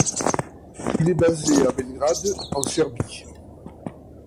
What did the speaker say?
Il est basé à Belgrade en Serbie.